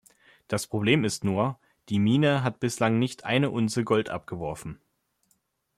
Das Problem ist nur: Die Mine hat bislang nicht eine Unze Gold abgeworfen.